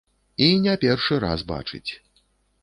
І не першы раз бачыць.